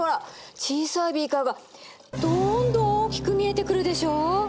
小さいビーカーがどんどん大きく見えてくるでしょう！